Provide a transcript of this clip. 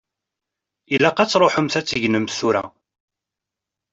Ilaq ad tṛuḥemt ad tegnemt tura.